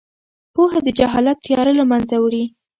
پوهه د جهالت تیاره له منځه وړي.